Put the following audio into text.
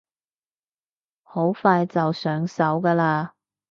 好快就會上手㗎喇